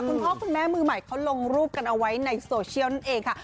คุณพ่อคุณแม่มือใหม่เขาลงรูปกันเอาไว้ในโซเชียลนั่นเองค่ะ